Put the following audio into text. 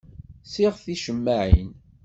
Ssiɣet ticemmaɛin.